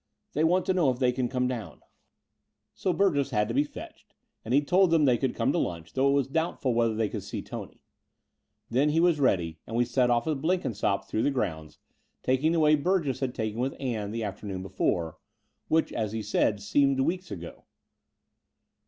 "They want to know if they can come down." V 90 The Door of the Unreal So Biirgess had to be fetched ; and he told them they cotdd come to lunch, though it was doubtful whether they could see Tony. Then he was ready ; and we set off with Blenkin sopp through the grounds, taking the way Burgess had taken with Ann the afternoon before, which, as he said, seemed weeks ago.